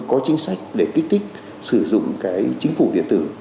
có chính sách để kích thích sử dụng cái chính phủ điện tử